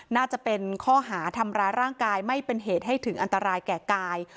น่าจะเป็นข้อหาทำร้ายร่างกายไม่เป็นเหตุให้ถึงอันตรายแก่กาย